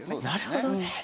なるほどね。